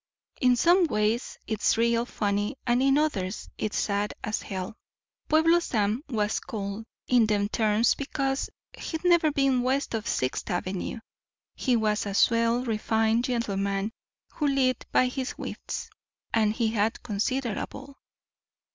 In some ways it's real funny, and in others it's sad as hell. Pueblo Sam was called in them terms because he'd never been west of Sixth Avenue. He was a swell refined gentleman who lived by his wits, and he had considerable."